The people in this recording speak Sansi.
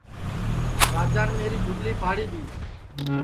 راجان میری جُھگلی پھاڑی دؔی